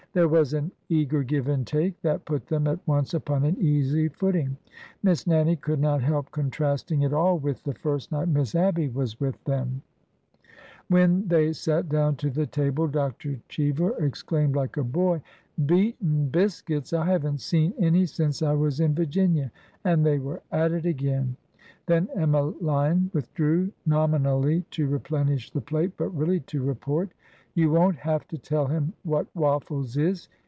There was an eager give and take that put them at once upon an easy footing. Miss Nannie could not help contrasting it all with the first night Miss Abby was with them. lOO ORDER NO. 11 When they sat down to the table Dr. Cheever ex claimed like a boy: '' Beaten biscuits ! I have n't seen any since I was in Virginia," — and they were at it again. Then Emmeline withdrew, nominally to replenish the plate, but really to report : "You won't have to tell him what waffles is